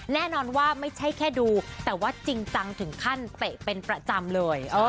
แน่นอนว่าไม่ใช่แค่ดูแต่ว่าจริงจังถึงขั้นเตะเป็นประจำเลย